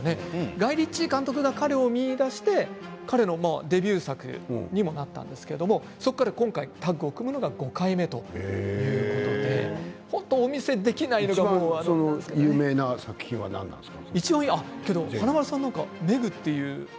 ガイ・リッチー監督が彼を見いだして彼のデビュー作にもなったんですけれどそこから今回タッグを組むのは５回目ということで有名な作品は何ですか？